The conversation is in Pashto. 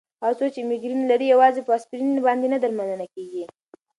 هغه څوک چې مېګرین لري، یوازې په اسپرین باندې نه درملنه کېږي.